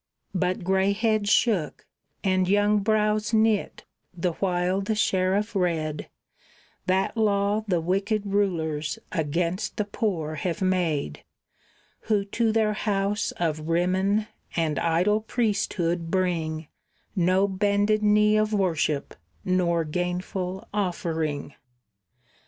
But gray heads shook, and young brows knit, the while the sheriff read That law the wicked rulers against the poor have made, Who to their house of Rimmon and idol priesthood bring No bended knee of worship, nor gainful offering.